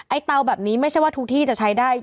เตาแบบนี้ไม่ใช่ว่าทุกที่จะใช้ได้